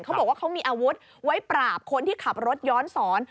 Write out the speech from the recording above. เขาบอกว่าเขามีอาวุธไว้ปราบคนที่ขับรถย้อนสอน